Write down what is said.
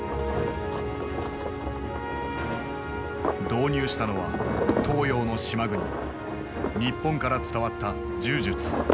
導入したのは東洋の島国日本から伝わった柔術。